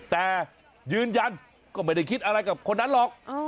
แต่ยืนยันก็ไม่ได้คิดอะไรกับคนนั้นหรอก